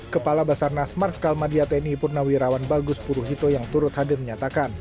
kepala basarnas marskal madia tni purnawirawan bagus puruhito yang turut hadir menyatakan